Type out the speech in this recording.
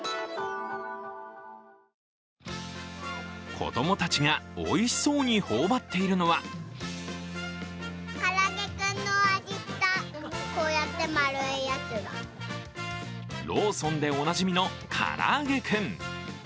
子どもたちがおいしそうに頬張っているのはローソンでおなじみのからあげクン。